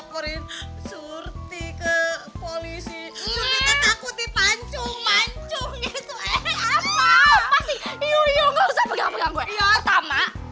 wouldn't teke policin am sri bangjungan tua